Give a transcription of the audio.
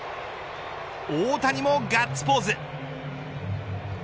大谷もガッツポーズ。